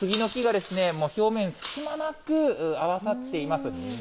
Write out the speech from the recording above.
杉の木がもう表面、隙間なく合わさっています。